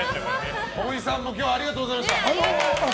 ほいさんも今日ありがとうございました。